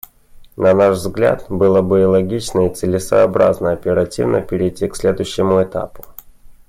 На наш взгляд, было бы и логично, и целесообразно оперативно перейти к следующему этапу.